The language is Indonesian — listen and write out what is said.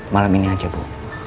malam ini aja bu